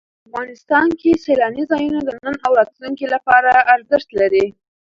افغانستان کې سیلانی ځایونه د نن او راتلونکي لپاره ارزښت لري.